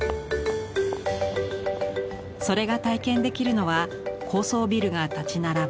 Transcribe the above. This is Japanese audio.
それが体験できるのは高層ビルが立ち並ぶ